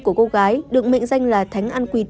của cô gái được mệnh danh là thánh an quỵt